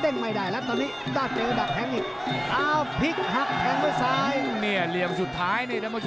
เดินบาดิโกรถเดิน